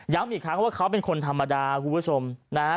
อีกครั้งว่าเขาเป็นคนธรรมดาคุณผู้ชมนะฮะ